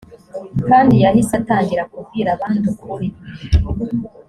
kandi yahise atangira kubwira abandi ukuri